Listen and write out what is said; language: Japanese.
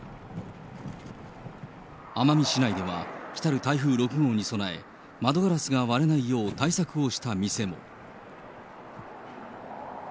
奄美市内では来る台風６号に備え、窓ガラスが割れないよう対策をした店も。